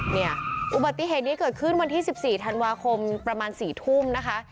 เนี่ยอุบัติเหตุนี้เกิดขึ้นวันที่๑๔ธันวาคมประมาณ๔ทุ่มนะคะ